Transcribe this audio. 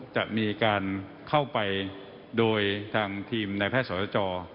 จะมีการเข้าไปโดยทางทีมในแพทย์สรจอ